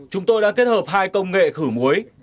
chúng tôi đã kết hợp hai công nghệ khử muối